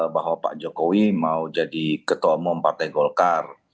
bahwa pak jokowi mau jadi ketua umum partai golkar